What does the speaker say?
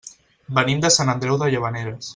Venim de Sant Andreu de Llavaneres.